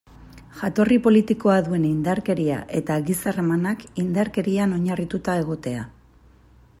Jatorri politikoa duen indarkeria eta giza harremanak indarkerian oinarrituta egotea.